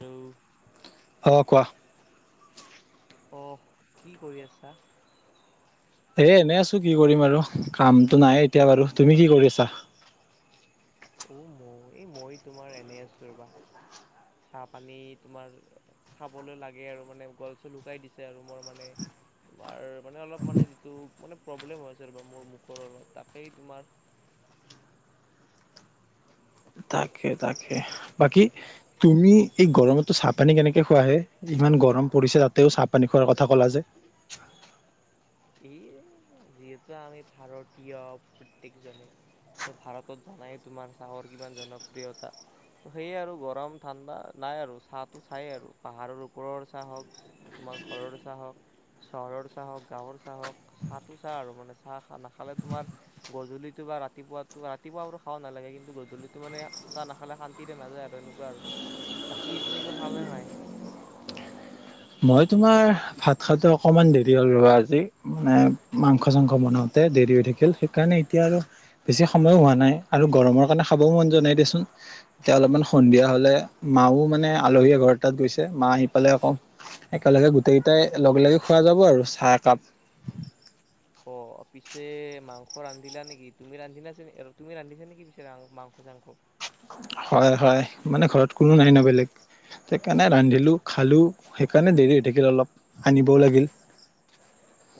Hello অ' কোৱা? অ' কি কৰি আছা? এ, এনে আছো কি কৰিম আৰু কামটো নাই এতিয়া বাৰু, তুমি কি কৰি আছা? অ', মই এই মই তোমাৰ এনে আছোঁ ৰবা। চাহ পানী তোমাৰ খাবলৈ লাগে আৰু মানে, গল চল লুকাই দিছে আৰু মোৰ মানে। তোমাৰ মানে অলপ মানে, যিটো মানে প্ৰব্লেম হৈছে ৰব মোৰ মুখৰ অলপ তাকেই তোমাৰ। [inaudible] তাকে, তাকে বাকী তুমি এই গৰমত চাহপানী কেনেকে খোৱাহে ইমান গৰম। পৰিছে তাতেও চাহ পানী খোৱাৰ কথা কলা যে। [inaudible] ই যিহেতু আমি ভাৰতীয় প্ৰত্যেকজনে। ত ভাৰতত জানাই তোমাৰ চাহৰ কিমান জনপ্ৰিয়তা। ত সেয়ে আৰু গৰম ঠাণ্ডা নাই আৰু চাহটো খাইয়েই আৰু পাহাৰৰ ওপৰৰ চাহ হওঁক। তোমাৰ ঘৰৰ চাহ হওঁক, চহৰৰ চাহ হওঁক, গাঁৱৰ চ চাহক চাহটো চাহ আৰু মানে চাহ নাখালে তোমাৰ গধূলিতো বা ৰাতিপুৱাটো, ৰাতিপুৱা খাব নালাগে, কিন্তু গধূলিতো মানে চাহ নাখালে শান্তিৰে নাযায় আৰু এনেকুৱা আৰু। বাকী তুমি কিবা খালা নে নাই? মই তোমাৰ ভাত খাওঁতে অকণমান দেৰি হ'ল, ৰ'বা আজি মানে মাংস চাংস বনাওঁতে। দেৰি হৈ থাকিল, সেইকাৰণে এতিয়া আৰু বেছি সময়ো হোৱা নাই আৰু গৰমৰ কাৰণে খাবও মন যোৱা নাই দেচোন। এতিয়া অলপমান সন্ধিয়া হ'লে, মাও মানে আলহীয়ে ঘৰ তাত গৈছে মা আহি পালে আকৌ একেলগে গোটেই কেইটাই লগ লগি খোৱা যাব আৰু চাহ একাপ। অ', পিছে মাংস ৰান্ধিলা নেকি? তুমি ৰান্ধিলা চ আৰু তুমি ৰান্ধি নেকি পিছে মাংস চাংস। [inaudible] হয়, হয়, মানে ঘৰত কোনো নাই ন বেলেগ। সেইকাৰণে ৰান্ধিলো খালোঁ, সেইকাৰণে দেৰি হৈ থাকিল অলপ আনিবও লাগিল।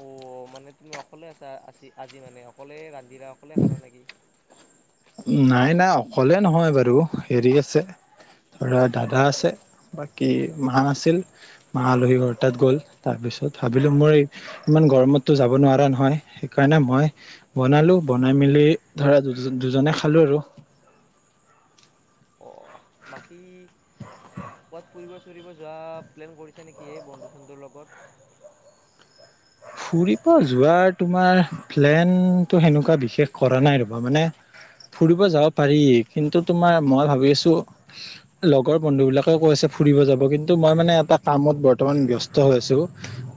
অ', মানে তুমি অকলে আছা আ-আজি মানে অকলে ৰান্ধিলা অকলে খালা নেকি? নাই, নাই অকলে নহয় বাৰু হেৰি আছে। ধৰা দাদা আছে, বাকী মা আছিল। মা আলহী ঘৰ তাত গ'ল, তাৰপিছত ভাবিলো মই ইমান গৰমতো যাব নোৱাৰা নহয় সেইকাৰণ সেই কাৰণে মই বনালো, বনাই মেলি ধৰা দু দুজনে খালো আৰু। অ বাকী? কৰবাত ফুৰিব চুৰিব যোৱা প্লেন কৰিছা নেকি এই বন্ধু-চন্ধুৰ লগত? ফুৰিব যোৱাৰ তোমাৰ প্লেন সেনেকুৱা বিশেষ কৰা নাই ৰ'বা মানে। ফুৰিব যাব পাৰি, কিন্তু তোমাৰ মই ভাবি আছো লগৰ বন্ধু বিলাকে কৈছে। ফুৰিব যাব, কিন্তু মই মানে এটা কামত বৰ্তমান ব্যস্ত হৈ আছো,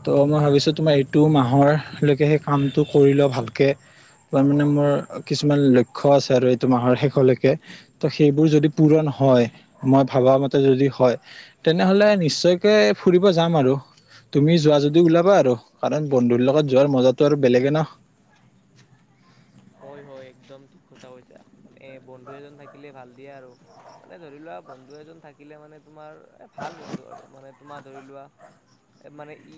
ত মই ভাবিছো তোমাৰ এইটো মাহৰলৈকে সেই কামটো কৰি লওঁ ভালকৈ। তাৰ মানে মোৰ কিছুমান লক্ষ্য আছে আৰু এইটো মাহৰ শেষলৈকে, ত সেইবোৰ যদি পূৰণ হয়, মই ভবা মতে যদি হয়, তেনেহ'লে নিশ্চয়কে ফুৰিব যাম আৰু। তুমি যোৱা যদি ওলাবা আৰু। কাৰণ বন্ধুৰ লগত যোৱাৰ মজাতটো আৰু বেলেগে ন। হয়, হয় একদম ঠিক কথা কৈছা, মানে বন্ধু এজন থাকিলে ভাল দিয়ে আৰু। মানে ধৰি লোৱা বন্ধু এজন থাকিলে মানে, তোমাৰ এ, ভাল বন্ধু আৰু মানে তোমাৰ ধৰি লোৱা মানে ই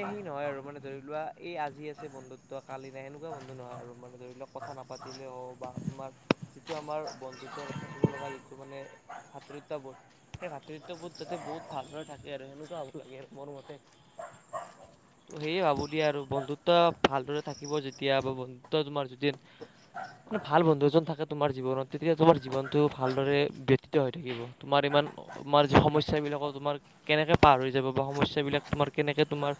এ, সি নহয় আৰু মানে ধৰি লোৱা এই আজি আছে, বন্ধুত্ব কালিনা সেনেকুৱা বন্ধু ন। অ', আৰু মানে, ধৰি লওঁক কথা নাপাতিলেও বা তুমাৰ যিটো আমাৰ বন্ধুত্বৰ থাকিব লগা যিটো মানে ভাতৃত্ববোধ সেই ভাতৃত্ববোধ যাতে বহুত ভালদৰে থাকে আৰু সেনেকুৱা হ'ব লাগে, আৰু মোৰ মতে [unintelligible] ত সেয়ে ভাবো দিয়া আৰু বন্ধুত্ব ভালদৰে থাকিব যেতিয়া বা বন্ধুত্ব তোমাৰ যে মানে ভাল বন্ধু এজন থাকেতোমাৰ জীৱনত, তেতিয়া তোমাৰ জীৱনতটো ভালদৰে ব্যতিত হৈ থাকিব, তোমাৰ ইমা তোমাৰ যি সমস্যাবিলাকৰ তোমাৰ কেনেকে পাৰ হৈ যাব বা সমস্যা বিলাক তোমাৰ কেনেকে তোমাৰ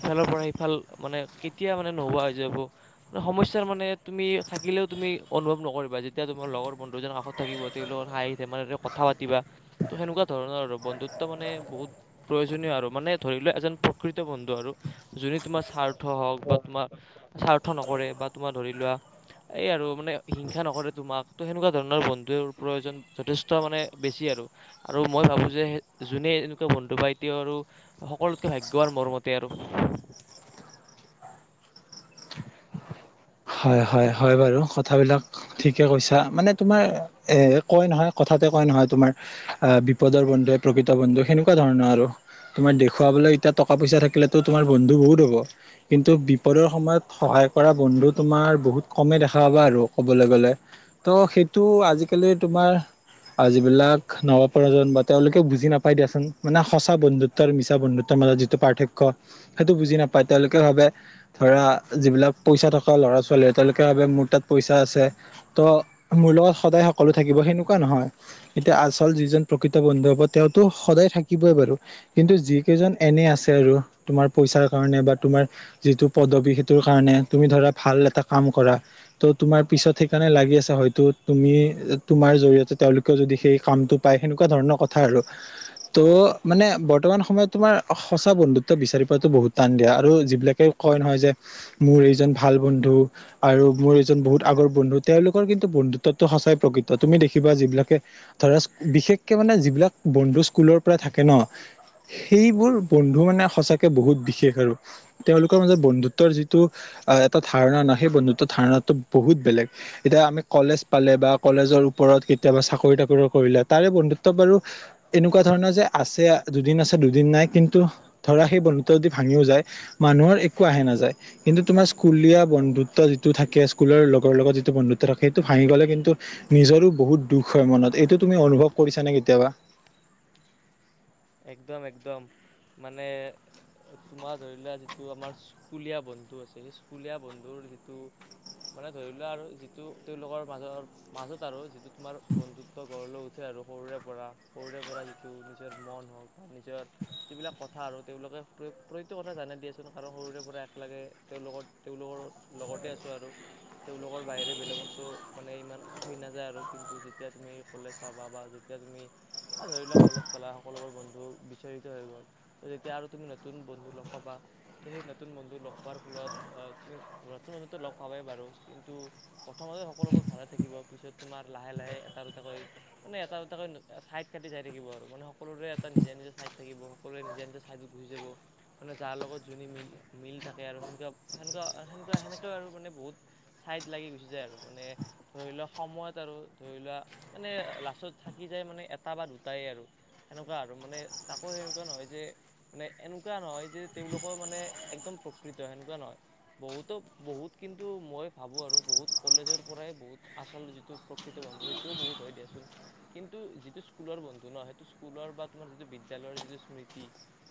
ইফালৰ পৰা সফাল মানে কেতিয়া মানে নোহোৱা হৈ যাবোৰে সমস্যা মানে তুমি থাকিলও তুমি অনুভৱ নকৰিবা, যেতিয়া তোমাৰ লগৰ বন্ধুজনৰ কাষত থাকিব, তেওঁলোকৰ হ পাতি ত, সেনেকুৱা ধৰণৰ আৰু বন্ধুত্ব মানে বহুত প্ৰয়োজন মানে ধ এজন প্ৰকৃত বন্ধু আৰু যোনে তোমাৰ স্বাৰ্থ হওক বা তোমাৰ স্বাৰ্থ নকৰে বা তোমাৰ ধৰি লোৱা এই আৰু মানে হিংসা নকৰে তোমাক ত, সেনেকুৱা ধৰণৰ বন্ধুৰ প্ৰয়োজন যথেষ্ট মানে বেছি আৰু। আৰু মই ভাবো যে যোনে এনেকুৱা বন্ধু বাইতি আৰু সকলোতকে ভাগ্যৱান মৰমতে। [inaudible] হয়, হয়, হয়, বাৰু কথাবিলাক ঠিকে কৈছা, মানে তোমাৰ এ, কয় নহয় কথা কঠাতে কয় নহয়, তোমাৰ আহ বিপদৰ বন্ধুে প্ৰকৃত বন্ধু সেনেকুৱা ধৰণৰ আৰু। তোমাৰ দেখুৱাবলৈ এতিয়া টকা, পইচা থাকিলেতো তোমাৰ বন্ধু বহুত হ'ব। কিন্তু বিপদৰ সময়ত সহায় কৰা বন্ধুক তোমাৰ বহুত কমেই দেখা পাবা আৰু ক'বলৈ গ'লে ত, সেইটো আজিকালি তোমাৰ যিবিলাক নৱপ্ৰজন বা তেওঁলোকেও বুজি নাপাই, দিয়াচোন মানে সঁচা বন্ধুত্ব আৰু মিছা বন্ধুত্ব যিটো পাৰ্থক্য সেইটো বুজি নলোকে ভ, ধ, যিলাক পা ল'ৰা, ছোৱালী তেওঁলোকে ভাবে মোৰ তাত পইচা আছে। ত, মোৰ লগত সদায় সকলো থাকিব সেনেকুৱা নহ এতিয়া আচল যিজন প্ৰকৃত বন্ধু হ'ব তেওঁতো সদায় থাকিবই বাৰু কিন্তু য, কেই এনে আছে আৰু তোমাৰ পইচাৰ কাৰণে বা তোমাৰ যিটো পদবী সেইটো কাৰণে তুমি ধৰা ভাল এটা কাম কৰা ত, তোমাৰ পিছত সেইকাৰণে লাগি আছে, হয়তো তুমি তোমাৰ জৰিয়তে তেওঁলোকেও যদি সেই কামটো পায়, সেনেকুৱা ধৰণৰ কথা আৰু ত, মানে বৰ্তমান সময়ত তোমাৰ সঁচা বন্ধুত্ব বিচাৰি পোৱাতো বহুত টান দিয়া আৰু যিবিলাকে কয় নহয় যে, মোৰ এইজন ভাল বন্ধু আৰু মোৰ এজন বহুত আগৰ বন্ধু। তেওঁলোকৰ কিন্তু বন্ধুত্বটো সঁচাই প্ৰকৃত তুমি দেখি কিবা যিবিলাকে ধৰা বিশেষকে মানে যিবিলাক বন্ধু স্কুলৰ পৰা থাকে, ন। সেইবোৰ বন্ধু মানে সঁচাকে বহুত বিশেষ আৰু তেওঁলোকৰ মাজত বন্ধুত্বৰ যিটো এটা ধাৰণা নাই সেই বন্ধুত্ব ধাৰণা বহুত বেলেগ এতিয়া আমি কলেজ পালে বা কলেজৰ ওপৰত ঘৰত কেতিয়াবা চাকৰি, তাকৰি কৰিলে তাৰে বন্ধুত্ব বাৰু এনেকুৱা ধৰণৰ যে আছে দুদিন আছে, দুদিন নাই। কিন্তু ধৰা সেই বন্ধুত্ব যদি ভাঙিও যায়, মানুহৰ একো আহে নাযায় কিন্তু তোমাৰ স্কুলীয়া বন্ধুত্ব যিটো থাকে, স্কুলৰ লগৰ লগত যিটো বন্ধুত্ব থাকে, সেইটো ভাঙি গ'লে কিন্তু নিজৰো বহুত দুখ হয় মনত এইটো তুমি অনুভৱ কৰিছা নে, কেতিয়াবা একদম, একদম মানে তোমাৰ ধৰি লোৱা যিটো আমাৰ স্কুলীয়া বন্ধু আছে, সেই স্কুলীয়া বন্ধুৰ যিটো মানে ধৰি লোৱা আৰু যিটো তেওঁলোকৰ মাজৰ, মাজত আৰু যিটো তোমাৰ বন্ধুত্ব ঘঢ় লৈ উঠে আৰু সৰুৰে পৰা সৰুৰে পৰা যিটো নিজৰ মন হওক বা নিজৰ যিবিলাক কথা আৰু তেওঁলোকে প্ৰতিটো কথা জাই দিয়েচোন কাৰণ সৰুৰে পৰা লাগে, তেওঁৰ লগত, তেওঁলোকৰ লগতে আছোঁ আৰু। তেওঁলোকৰ বাহিৰে বেলেগতো মানে ইমান সি, নাযায় আৰু কিন্তু যেতিয়া তুমি কলেজ পাবা বা তেতিয়া তুমি ধৰি লোৱা কলেজ সকলোবোৰ বন্ধু বিচৰিত হৈ গ'ল ত, যেতিয়া আৰু তুমি নতুন বন্ধু লগ পাবা সেই নতুন ব, ফত নতুন বন্ধু লগ পাব বাৰু, কিন্তু প্ৰথমতে সোবোৰ ভাল থাকিব, পিছত তোমাৰ লাহে, লাহে এটা, দুটাকৈ মানে এটা, দুটাকৈ ছাইড কাটি যাই থাকিব আৰু। মানে সকলোৰে এটা নিজা, নিজা ছাইড থাকিব। সকলোৱৰে নিজা, নিজা ছাইডত ঘূৰি যাব মানে যাৰ লগত যোনি মিল মিল থাকে আৰু সেনেকুৱা, সেনেকুৱা, সেনেকুৱা সেনেকৈও আৰু মানে বহুত ছাইড লাগি গুচি যায় আৰু মানে ধৰি লোৱা সময়ত আৰু ধৰি লোৱা মানে লাষ্টত থাকি যায় মানে এটা বা দুটাই আৰু। সেনেকুৱা আৰু মানে তাকো সেনেকুৱা নহয় যে, মানে এনেকুৱা নহয় যে তেওঁলোকৰ মানে একদম প্ৰকৃত সেনেকুৱা নহয়। বহুতো, বহুত কিন্তু মই ভাবো আৰু বহুত কলেজৰ পৰাই বহুত আচল যিটো প্ৰকৃত বন্ধু সেইটোও বহুত হয় দিয়াচোন কিন্তু যিটো স্কুলৰ বন্ধু নহয়। স্কুলৰ বা তোমাৰ যিটো বিদ্যায়ালয়ৰ যিটো স্মৃতি,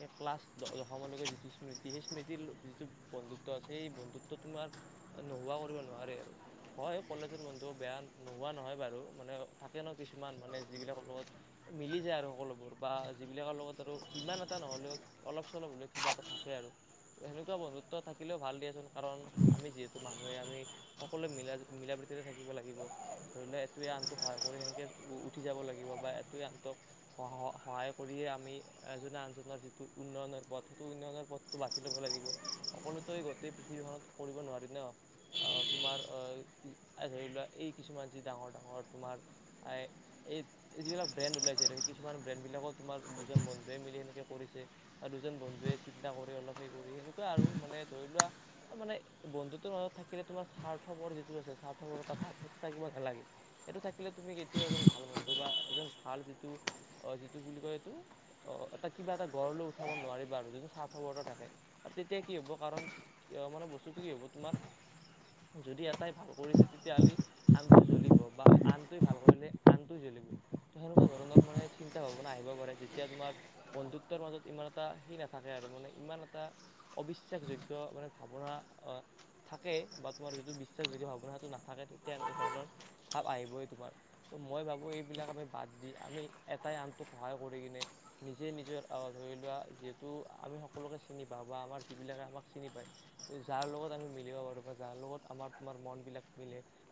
এই ক্লাছ দশমলৈকে যিটো স্মৃতি সেই স্মৃতি যিটো বন্ধুত্ব আছে সেই বন্ধুত্ব তোমাৰ নোহোৱা কৰিব নোৱাৰে আৰু হয় কলে [unintelligible] বন্ধু বেয়া নোহোৱা নহয় বাৰু মানে থাকে ন কিছুমান মানে যিবিলাকৰ লগত মিলি [unintelligible] আৰু সকলোবোৰ বা যিবিলাকৰ লগত আৰু ইমান এটা নহলেও অলপ চলপ হ'লেও কিবা এটা থাকে আৰু। সেনেকুৱা বন্ধুত্ব থাকিলেও ভাল দিয়াচোন কাৰণ আমি যিহেতু মানুহে আমি সকলোৱে মিলা মিলা থাকিব লাগিব ধৰি লোৱা এইটোৱে আনটোক সহায় কৰি সেনেকে উঠি যাব লাগিব বা এটোৱে আনটোক স সহায় কৰিয়ে আমি এজনে আনজনৰ যিটো উন্নয়নৰ পথ সেইটো উন্নয়নৰ পথতটো বাছি ল'ব [unintelligible] সকলোতো গোটেই পৃথিৱীখনত কৰিব নোৱাৰি ন। আহ তোমাৰ আহ ধৰি লোৱা এই কিছুমান যি ডাঙৰ ডাঙৰ তোমাৰ আই এই যিবিলাক ব্ৰেণ্ড ওলাইছে [unintelligible] কিছুমান ব্ৰেণ্ডবিলাকো তোমাৰ দুজন বন্ধুৱে মিলি সেনেকৈ কৰিছে আৰু দুজন বন্ধুৱে চিন্তা কৰি অলপ সেই সেনেকুৱা আৰু মানে ধৰি লোৱা মানে বন্ধুতৰ মাজত থাকিলে তোমাৰ সাৰ্থপৰ যিটো আছে সাৰ্থ [unintelligible] ভাব সেইটো থাকিব নালাগে সেইটো থাকিলে তুমি কেতিয়াও এজন ভাল বন্ধু বা এজন ভাল যিটো অ' যিটো বুলি কয় এইটো অ' এটা কিবা এটা গঢ় লৈ উঠাব নোৱাৰিবা আৰু যিটো স্বাৰ্থপৰতা থাকে। আৰু তেতিয়া কি হ'ব কাৰণ মানে বস্তুটো কি হ'ব তোমাৰ যদি এটাই ভাল কৰিছে তেতিয়াহ'লে আনটো জ্বলিব বা আনটোৱে ভাল কৰিলে আনটো জ্বল [unintelligible] ত' সেনেকুৱা ধৰণৰ। মানে চিন্তা ভাৱনা আহিব পাৰে যেতিয়া তোমাৰ বন্ধুত্বৰ মাজত ইমান এটা সি নাথাকে আৰু মানে ইমান এটা অবিশ্বাসযোগ্য মানে ভাৱনা থাকেই বা তোমাৰ যিটো বিশ্বাসযোগ্য ভাৱনা সেইটো নাথাকে তেতিয়া এনেকুৱা ধৰণৰ ভাৱ আহিবই তোমাৰ। তো মই ভাবোঁ এইবিলাক আমি বাদ দি আমি এটাই আনটোক সহায় কৰি কিনে নিজে নিজৰ ধৰি লোৱা যিহেতু আমি সকলোকে চিনি পাওঁ। বা আমাৰ যিবিলাকে আমাক চিনি পায় যাৰ লগত আমি মিলিব পাৰো বা যাৰ লগত আমাৰ তোমাৰ মন বিলাক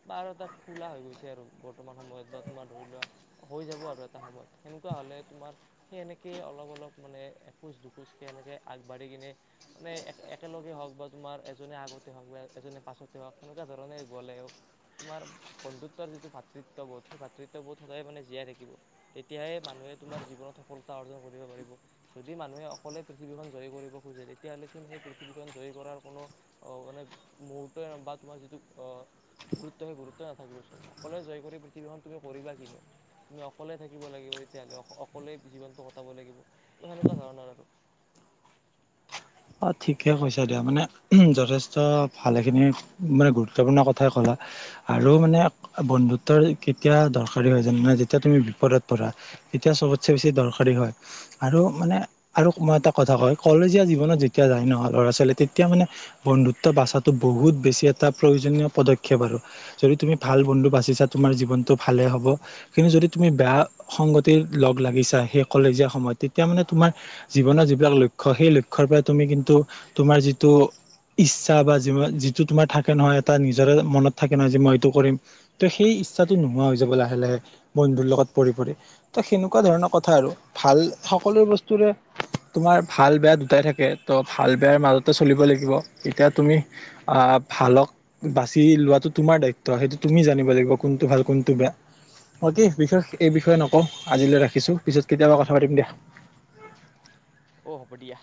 বা আৰু এটা খোলা হৈ গৈছে আৰু বৰ্তমান সময়ত বা তোমাৰ ধৰি লোৱা হৈ যাব আৰু। এটা সময়ত সেকুৱা হলে তোমাৰ সেই এনেকে অলপ অলপ মানে এখোজ দুখোজ সে এনেকে আগবাঢ়ি। কিনে মানে এক একেলগে হওক বা তোমাৰ এজনে আগতে হওক বা এজনে পাছতে হওক সেনেকুৱা ধৰণে। গ'লেও তোমাৰ বন্ধুত্বৰ যিটো ভাতৃত্ববোধ সেই ভাতৃত্ববোধ সদায় মানে জীয়াই থাকিব। তেতিয়াহে মানুহে তোমাৰ জীৱনত সফলতা অৰ্জন কৰিব পাৰিব যদি মানুহে অকলে পৃথিৱীখন জয়ী কৰিব তেতিয়াহ'লে চোন সেই পৃথিৱীখন জয়ী কৰাৰ কোনো মানে মুহূৰ্তই বা তোমাৰ যিটো গুৰুত্ব সেই গুৰুত্ব নাথাকিবচোন অকলে জয় কৰি পৃথিৱীখন তুমি কৰিবা কিনো তুমি অকলে থাকিব লাগিব তেতিয়াহ'লে অকলে জীৱনটো কটাব লাগিব ত' সেনেকুৱা ধৰণৰ আৰু। অ' ঠিকে কৈছা দিয়া মানে যথেষ্ট ভালেখিনি মানে গুৰুত্বপূৰ্ণ কথাই ক'লা। আৰু মানে বন্ধুত্বৰ কেতিয়া দৰকাৰী হয় জান নে যেতিয়া তুমি বিপদত পৰা তেতিয়া চবতছে বেছি দৰকাৰী হয় আৰু মানে আৰু মই এটা কথা কও কলেজীয়া জীৱনত যেতিয়া তেতিয়া যাই নহয় ল'ৰা ছোৱালী তেতিয়া মানে বন্ধুত্ব বাচাতো বহুত বেছি এটা প্ৰয়োজনীয় পদক্ষেপ আৰু। যদি তুমি ভাল বন্ধু বাচিছা তোমাৰ জীৱনটো ভালে হব কিন্তু যদি তুমি বেয়া সংগতি লগ লাগিছা সেই কলেজীয়া সময়ত তেতিয়া মানে তোমাৰ জীৱনৰ যিবিলাক লক্ষ্য সেই লক্ষ্যৰ পৰা তুমি কিন্তু তোমাৰ যিটো ইচ্ছা বা যি যিটো তোমাৰ থাকে নহয় এটা নিজৰে মনত থাকে নহয় যে মই এইটো কৰিম ত' সেই ইচ্ছাটো নোহোৱা হৈ যাব লাহে লাহে বন্ধুৰ লগত পৰি পৰি তো সেনেকুৱা ধৰণৰ কথা আৰু ভাল সকলো বস্তুৰে তোমাৰ ভাল বেয়া দুটাই থাকে। তো ভাল বেয়াৰ মাজতে চলিব লাগিব এতিয়া তুমি আ ভালক বাচি লোৱাটো তোমাৰ দায়িত্ব সেইটো তুমি জানিব লাগিব কোনটো ভাল কোনটো বেয়া। অ' কি বিশেষ এই বিষয়ে নকওঁ আজিলৈ ৰাখিছো পিছত কেতিয়াবা কথা পাতিম দিয়া। অ' হ'ব দিয়া।